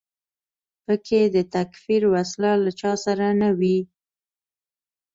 په کې د تکفیر وسله له چا سره نه وي.